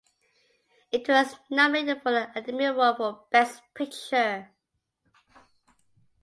It was nominated for the Academy Award for Best Picture.